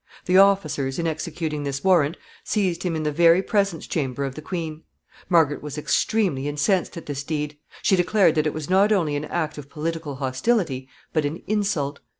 The officers, in executing this warrant, seized him in the very presence chamber of the queen. Margaret was extremely incensed at this deed. She declared that it was not only an act of political hostility, but an insult.